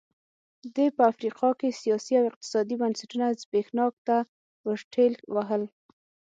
دې په افریقا کې سیاسي او اقتصادي بنسټونه زبېښاک ته ورټېل وهل.